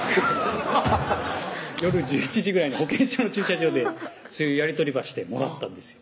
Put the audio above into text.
ハハハッ夜１１時ぐらいに保健所の駐車場でそういうやり取りばしてもらったんですよ